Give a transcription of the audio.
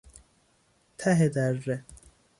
ته دره